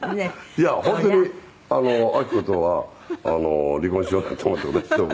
いや本当に明子とは離婚しようなんて思った事は一度も。